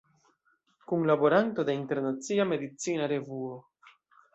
Kunlaboranto de Internacia Medicina Revuo.